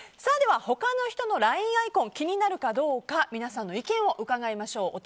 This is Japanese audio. では他の人のＬＩＮＥアイコン気になるかどうか皆さんの意見を聞いてみましょう。